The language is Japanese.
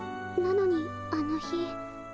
なのにあの日。